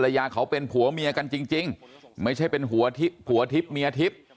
ยาเขาเป็นผัวเมียกันจริงไม่ใช่เป็นหัวทิพย์เมียทิพย์